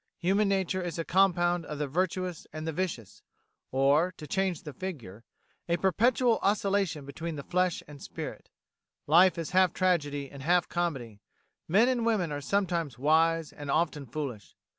Human nature is a compound of the virtuous and the vicious, or, to change the figure, a perpetual oscillation between flesh and spirit. Life is half tragedy and half comedy: men and women are sometimes wise and often foolish.